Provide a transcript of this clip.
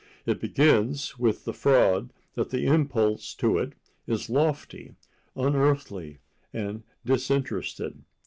It begins with the fraud that the impulse to it is lofty, unearthly and disinterested.